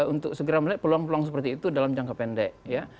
untuk segera melihat peluang peluang seperti itu dalam jangka pendek ya